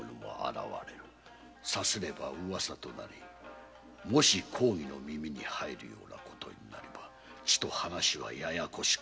〔さすれば噂となりもし公儀の耳に入るようなことになるとちと話はややこしくなる。